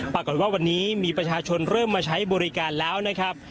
ปรากฏว่าวันนี้มีประชาชนเริ่มมาใช้บริการแล้วนะครับ